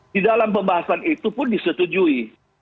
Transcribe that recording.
di dalam pembahasan itu pun disetujui